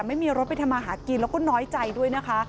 ไม่มีรถไปทำมาหากินแล้วก็น้อยใจด้วยนะคะ